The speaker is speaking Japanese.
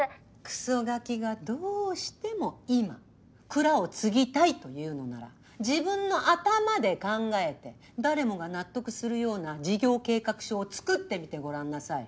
クソガキがどうしても今蔵を継ぎたいと言うのなら自分の頭で考えて誰もが納得するような事業計画書を作ってみてごらんなさい。